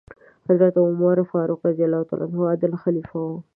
حضرت عمر فاروق رض عادل خلیفه و.